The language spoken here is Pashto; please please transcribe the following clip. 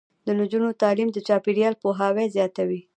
د نجونو تعلیم د چاپیریال پوهاوي زیاتوي.